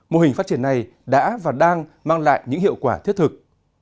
mô hình phát triển này đã và đang mang lại những hiệu quả thiết thực